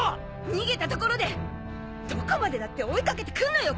逃げたところでどこまでだって追い掛けてくんのよ